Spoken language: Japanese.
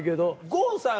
郷さん